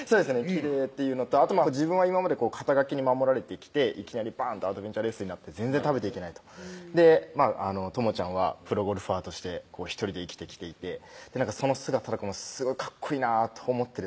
きれいっていうのとあと自分は今まで肩書に守られてきていきなりバンとアドベンチャーレースになって全然食べていけないと倫ちゃんはプロゴルファーとして１人で生きてきていてその姿とかすごいかっこいいなと思ってですね